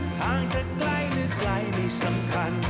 ทางจะไกลหรือไกลไม่สำคัญ